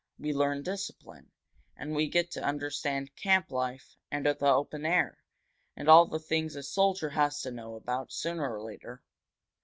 We learn discipline. And we get to understand camp life, and the open air, and all the things a soldier has to know about, sooner or later.